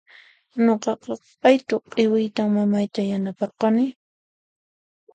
Nuqaqa q'aytu khiwiyta mamayta yanaparqani.